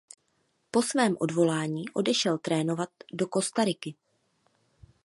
Po svém odvolání odešel trénovat do Kostariky.